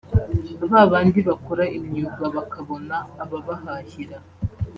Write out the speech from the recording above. babandi bakora imyuga bakabona ababahahira